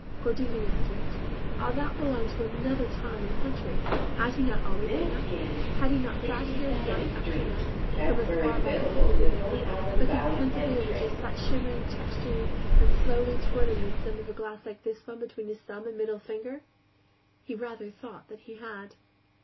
Cordelia Street Ah, that belonged to another time and country; had he not always been thus, had he not sat here night after night, from as far back as he could remember, looking pensively over just such shimmering textures and slowly twirling the stem of a glass like this one between his thumb and middle finger? He rather thought he had.